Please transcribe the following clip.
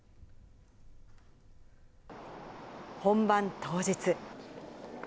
本番当日。